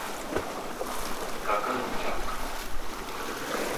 kakengcaq